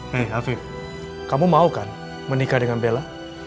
hei afif kamu mau kan menikah dengan bella